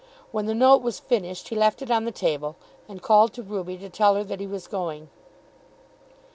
When the note was finished he left it on the table, and called to Ruby to tell her that he was going.